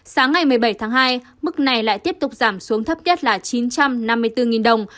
sáng ngày một mươi bảy tháng hai mức này lại tiếp tục giảm xuống thấp nhất là chín trăm năm mươi bốn đồng